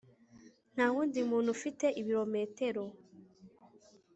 nta wundi muntu ufite ibirometero